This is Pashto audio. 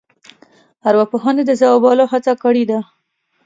ارواپوهنې د ځوابولو هڅه کړې ده.